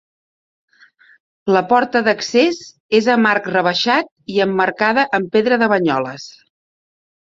La porta d'accés és amb arc rebaixat i emmarcada amb pedra de Banyoles.